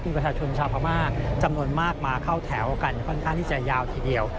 มีประชาชนชาวพม่าจำนวนมากมาเข้าแถวกันค่อนข้างที่จะยาวทีเดียว